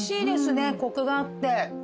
コクがあって。